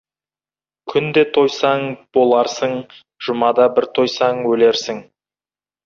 Күнде тойсаң, боларсың, жұмада бір тойсаң, өлерсің.